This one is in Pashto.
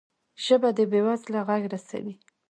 ژبه د بې وزله غږ رسوي